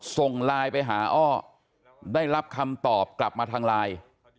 ส่งไลน์ไปหาอ้อได้รับคำตอบกลับมาทางไลน์